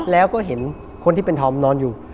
แล้วก็เห็นคนที่เป็นธอมนอนอยู่